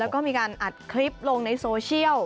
แล้วก็มีการอัดคลิปลงในโซเชียล